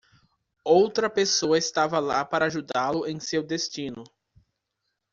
Outra pessoa estava lá para ajudá-lo em seu destino.